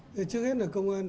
trước hết là công an